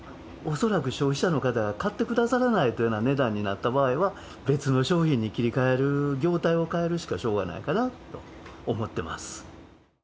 恐らく消費者の方が買ってくださらないというような値段になった場合は、別の商品に切り替える、業態を変えるしかしょうがないかなと思ってます。